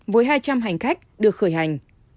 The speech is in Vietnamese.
với hai trăm linh hành khách được khởi hành